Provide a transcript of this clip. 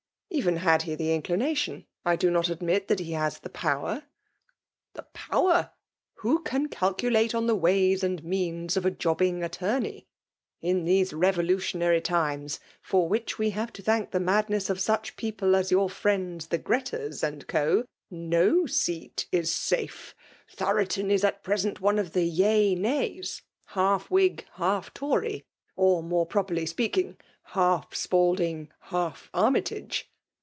" Even had he the inclination^ I do not a^ mit that he has the power/* The power 9 Who caa calculate «n the ways send means of a jobbing attorney ? In these vevcflationary times, (for wUch we haae to tkanofk the madness dT such peopte as yaor Asends the OrebH aasd Co.,} ao aeatisaafe. Xhorakm is at present oae of the yearnafs — ^half Whigy half Tory — or, mate proper]^ ^pealdng, half SpaMing, half Army tagse.